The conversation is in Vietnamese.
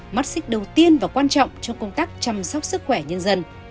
mắt xích đầu tiên và quan trọng trong công tác chăm sóc sức khỏe nhân dân